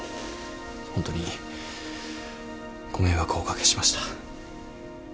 ホントにご迷惑おかけしました。